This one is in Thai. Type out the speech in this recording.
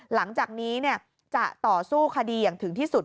หลังจากนี้จะต่อสู้คดีอย่างถึงที่สุด